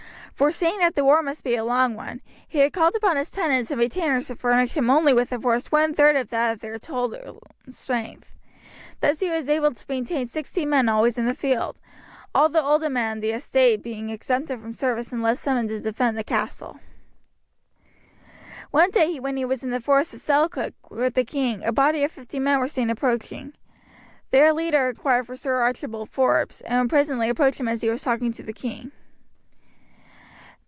Foreseeing that the war must be a long one he had called upon his tenants and retainers to furnish him only with a force one third of that of their total strength. Thus he was able to maintain sixty men always in the field all the older men on the estate being exempted from service unless summoned to defend the castle. One day when he was in the forest of Selkirk with the king a body of fifty men were seen approaching. Their leader inquired for Sir Archibald Forbes, and presently approached him as he was talking to the king.